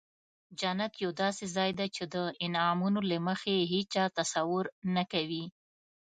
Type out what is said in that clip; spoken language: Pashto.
جنت یو داسې ځای دی چې د انعامونو له مخې هیچا تصور نه کوي.